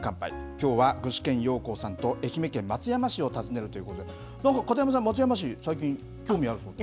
きょうは具志堅用高さんと愛媛県松山市を訪ねるということで、なんか片山さん、松山市に最近、興味あるそうで？